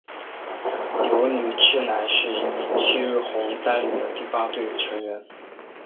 油女志乃是夕日红带领的第八队的成员。